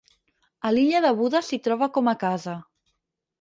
A l'illa de Buda s'hi troba com a casa.